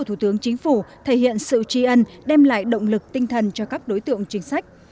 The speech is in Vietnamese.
thủ tướng chính phủ thể hiện sự tri ân đem lại động lực tinh thần cho các đối tượng chính sách